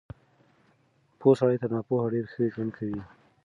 پوه سړی تر ناپوهه ډېر ښه ژوند کوي.